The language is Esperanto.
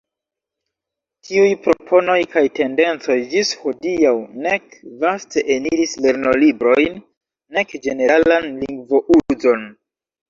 Tiuj proponoj kaj tendencoj ĝis hodiaŭ nek vaste eniris lernolibrojn, nek ĝeneralan lingvo-uzon.